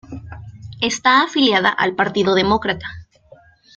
Está afiliada al Partido Demócrata.